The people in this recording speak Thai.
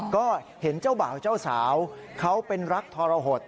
ก็เห็นเจ้าบ่าวเจ้าสาวเขาเป็นรักทรหด